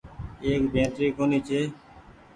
ايڪ بيٽري ڪونيٚ ڇي۔